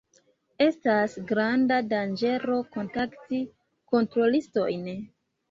Estas granda danĝero kontakti kontrolistojn.